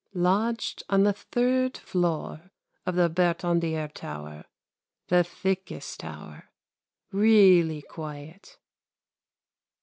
Lodged on the third floor of the Bertandière tower the thickest tower. Really quiet.